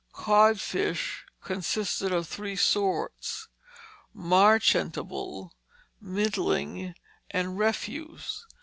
Codfish consisted of three sorts, "marchantable, middling, and refuse."